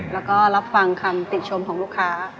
แล้วก็รับฟังคำติชมของลูกค้า